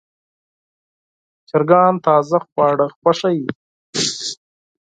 چرګان تازه خواړه خوښوي.